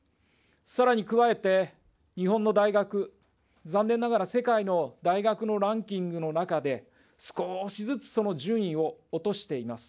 さらに加えて、日本の大学、残念ながら世界の大学のランキングの中で、少しずつその順位を落としています。